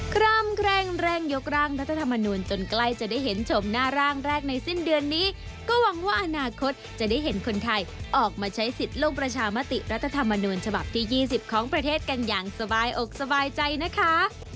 คร่ำแคร่งแรงยกร่างรัฐธรรมนูลจนใกล้จะได้เห็นชมหน้าร่างแรกในสิ้นเดือนนี้ก็หวังว่าอนาคตจะได้เห็นคนไทยออกมาใช้สิทธิ์ลงประชามติรัฐธรรมนูญฉบับที่๒๐ของประเทศกันอย่างสบายอกสบายใจนะคะ